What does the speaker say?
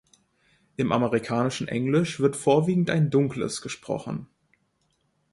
Im amerikanischen Englisch wird vorwiegend ein dunkles gesprochen.